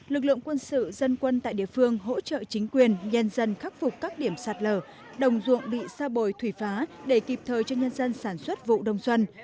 lực lượng quân sự dân quân tại địa phương hỗ trợ chính quyền nhân dân khắc phục các điểm sạt lở đồng ruộng bị xa bồi thủy phá để kịp thời cho nhân dân sản xuất vụ đông xuân